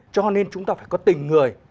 cho nên chúng ta phải có tình người